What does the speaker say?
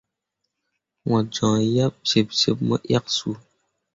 Mo joŋ yeb jiɓjiɓ mo yak su.